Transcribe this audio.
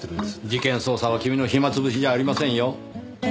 事件捜査は君の暇潰しじゃありませんよ。